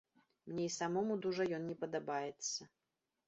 Мне і самому дужа ён не падабаецца.